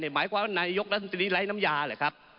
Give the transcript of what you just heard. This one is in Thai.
หมายความว่านายกรัฐมนตรีไร้น้ำยาเหรอครับ